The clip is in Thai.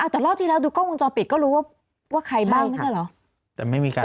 แต่รอบที่แล้วดูกล้องวงจอปิดก็รู้ว่าใครบ้างไหมครับ